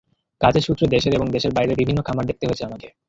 কাজের সূত্রে দেশের এবং দেশের বাইরের বিভিন্ন খামার দেখতে হয়েছে আমাকে।